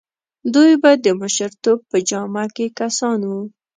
دوی به د مشرتوب په جامه کې کسان وو.